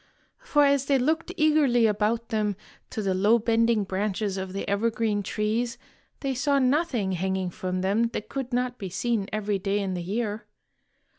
For as they looked eagerly about them to the low bending branches of the evergreen trees, they saw nothing hanging from them that could not be seen every day in the year.